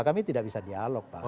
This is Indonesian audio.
kami tidak bisa dialog pak